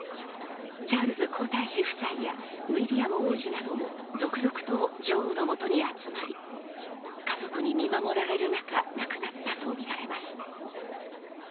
チャールズ皇太子夫妻やウィリアム王子なども続々と女王のもとに集まり、家族に見守られる中、亡くなったとみられます。